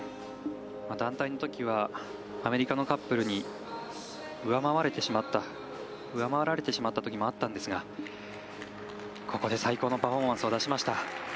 団体のときはアメリカのカップルに上回られてしまったときもあったんですがここで最高のパフォーマンスを出しました。